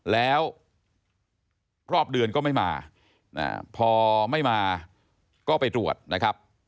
แล้วรอบเดือนก็ไม่มาพอไม่มาก็ไปตรวจนะครับ